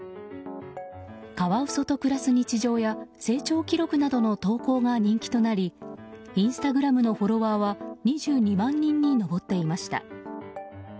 カワウソと暮らす日常や成長記録などの投稿が人気となりインスタグラムのフォロワーは２２万人に上っていました。